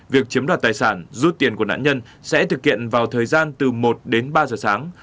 việc chiếm đoạt tài sản rút tiền của nạn nhân sẽ thực hiện vào thời gian từ một đến ba giờ sáng